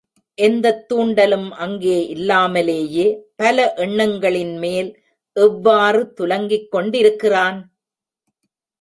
எந்தத் தூண்டலும் அங்கே இல்லாமலேயே, பல எண்ணங்களின் மேல் எவ்வாறு துலங்கிக் கொண்டிருக்கிறான்?